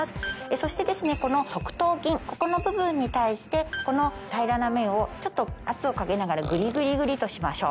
そしてこの側頭筋ここの部分に対してこの平らな面をちょっと圧をかけながらグリグリグリとしましょう。